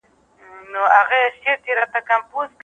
معتدله هوا انسان معتدل ساتي.